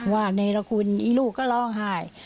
เนรคุณอีลูกก็ร้องไห้